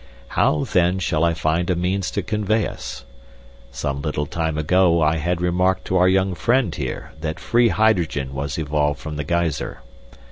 How then shall I find a means to convey us? Some little time ago I had remarked to our young friend here that free hydrogen was evolved from the geyser.